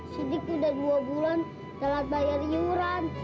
sidik udah dua bulan telah bayar iuran